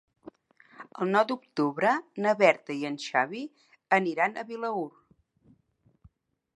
El nou d'octubre na Berta i en Xavi aniran a Vilaür.